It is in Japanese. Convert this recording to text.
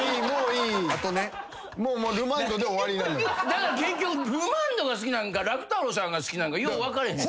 だから結局ルマンドが好きなんか楽太郎さんが好きなんかよう分からへん。